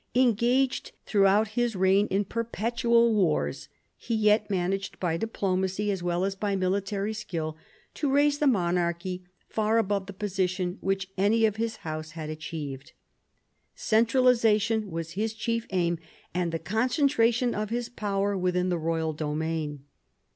Engaged throughout his reign in perpetual wars, he yet managed, by diplomacy as well as military skill, to raise the monarchy far above the position which any of his house had achieved. Centralisation was his chief aim, — and the concentration of his power within the royal domain.